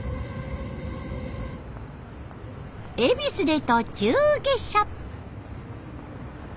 恵比寿で途中下車。